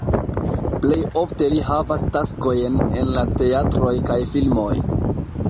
Plej ofte li havas taskojn en la teatroj kaj filmoj.